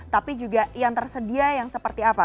tapi juga yang tersedia yang seperti apa